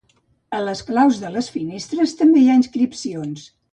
A les claus de les finestres també hi ha inscripcions.